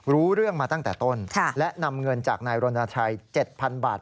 รู้เรื่องมาตั้งแต่ต้นและนำเงินจากนายรณชัย๗๐๐บาท